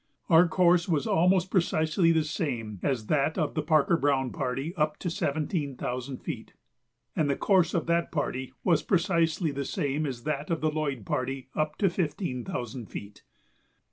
Our course was almost precisely the same as that of the Parker Browne party up to seventeen thousand feet, and the course of that party was precisely the same as that of the Lloyd party up to fifteen thousand feet.